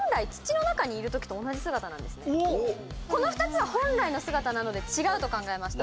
これは本来この２つは本来の姿なので違うと考えました。